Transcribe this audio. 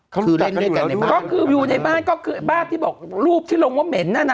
เขาก็ก็อยู่ในบ้านไปก็คือบ้านที่บอกลูกที่ว่ามีเหม็นนั้นนะ